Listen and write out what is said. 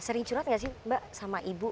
sering curhat gak sih mbak sama ibu